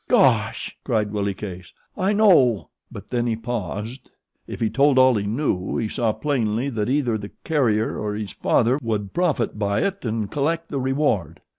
"Gosh!" cried Willie Case. "I know "; but then he paused. If he told all he knew he saw plainly that either the carrier or his father would profit by it and collect the reward.